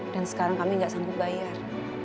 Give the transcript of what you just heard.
dan sekarang kami gak sanggup bayar